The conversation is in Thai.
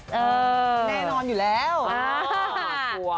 แน่นอนอยู่แล้ว